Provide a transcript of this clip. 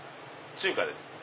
中華です。